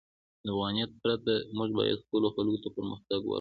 د افغانیت پرته، موږ باید خپلو خلکو ته پرمختګ ورکړو.